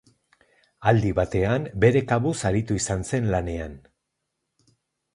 Aldi batean, bere kabuz aritu izan zen lanean.